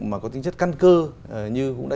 mà có tính chất căn cơ như cũng đã